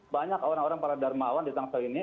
banyak orang orang para darmawan di tangsel ini